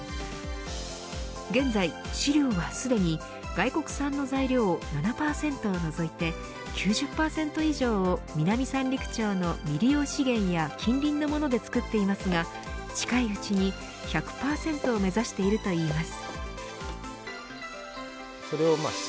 現在、飼料はすでに外国産の材料７％を除いて９０％以上を南三陸町の未利用資源や近隣のもので作っていますが近いうちに１００％を目指しているといいます。